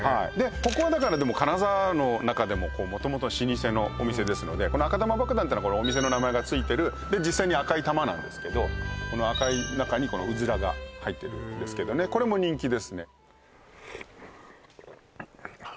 ここはだからでも金沢の中でも元々老舗のお店ですのでこの赤玉ばくだんってのはお店の名前がついてるで実際に赤い玉なんですけどこの赤い中にうずらが入ってるへえこれも人気ですねあっ